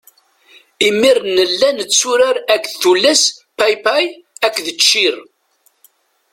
Imir-n nella netturar akked tullas paypay akked ččir.